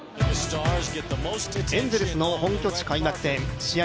エンゼルスの本拠地開幕戦、試合